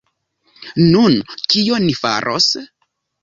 Nun, kion ni faros?